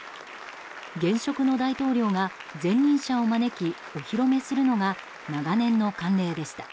現職の大統領が前任者を招きお披露目するのが長年の慣例でした。